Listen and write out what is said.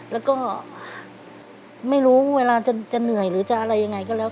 แล้วก็ไม่รู้เวลาจะเหนื่อยหรือจะอะไรยังไงก็แล้ว